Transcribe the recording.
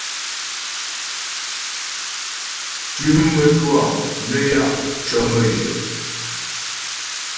Tʉ̌m mə́twâ nə́ ya' cə̀ mə́jyə.